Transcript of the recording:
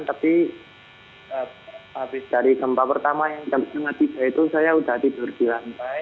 tapi habis dari gempa pertama yang jam setengah tiga itu saya sudah tidur di lantai